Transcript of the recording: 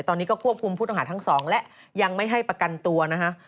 ตอนนี้ก็ควบคุมผู้ต้องหาทั้งสองและยังไม่ให้ประกันตัวนะคะ